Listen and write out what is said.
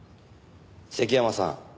関山さん